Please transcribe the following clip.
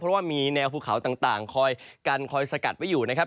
เพราะว่ามีแนวภูเขาต่างคอยกันคอยสกัดไว้อยู่นะครับ